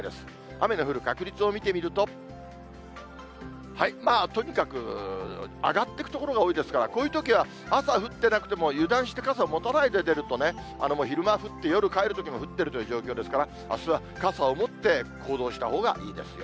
雨の降る確率を見てみると、とにかく上がっていく所が多いですから、こういうときは朝降ってなくても、油断して傘を持たないで出るとね、昼間、降って夜帰るときも降ってるという状況ですから、あすは傘を持って行動したほうがいいですよ。